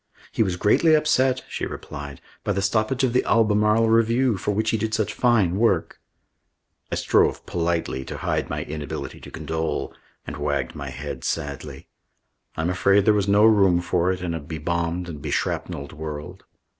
"He was greatly upset," she replied, "by the stoppage of The Albemarle Review for which he did such fine work." I strove politely to hide my inability to condole and wagged my head sadly: "I'm afraid there was no room for it in a be bombed and be shrapnelled world."